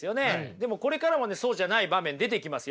でもこれからもねそうじゃない場面出てきますよ。